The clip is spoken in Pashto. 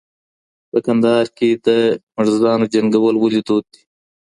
په کندهار کي د مړزانو جنګول ولي دود دي؟